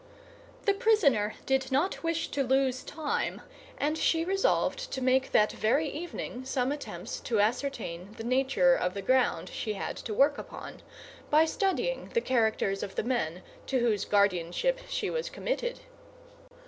The prisoner did not wish to lose time; and she resolved to make that very evening some attempts to ascertain the nature of the ground she had to work upon, by studying the characters of the men to whose guardianship she was committed.